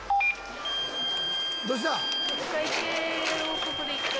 どうした？